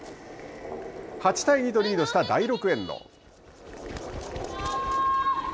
８対２とリードした第６エンド。